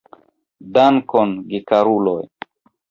Dankon, gekaruloj.